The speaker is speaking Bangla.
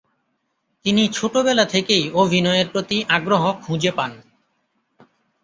তিনি ছোটবেলা থেকেই অভিনয়ের প্রতি আগ্রহ খুঁজে পান।